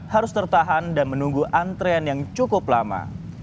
harus tertahan dan menunggu antrean yang cukup lama